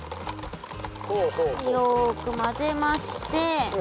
よくまぜまして。